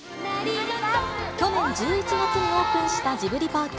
去年１１月にオープンしたジブリパーク。